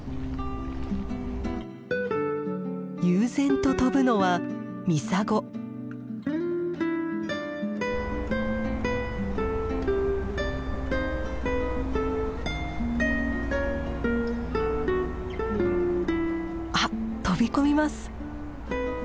悠然と飛ぶのはあっ飛び込みます！